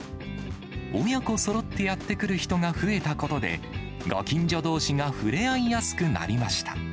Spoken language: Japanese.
親子そろってやって来る人が増えたことで、ご近所どうしが触れ合いやすくなりました。